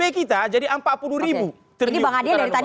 jadi bang adian dari tadi udah riset nih kayaknya